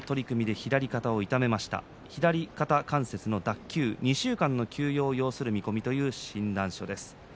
左肩関節脱臼、２週間の休養を要するという診断書です。